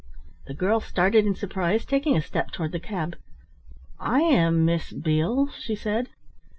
The girl started in surprise, taking a step toward the cab. "I am Miss Beale," she said.